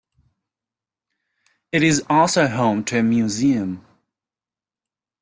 It is also home to a museum.